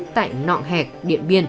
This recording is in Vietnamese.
tại nọ hẹc điện biên